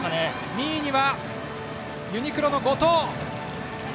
２位にはユニクロの後藤。